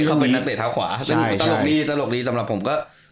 เขาเป็นนักเตะเท้าขวาซึ่งโชคดีตลกดีสำหรับผมก็